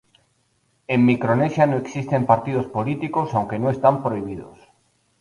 En Micronesia no existen partidos políticos aunque no están prohibidos.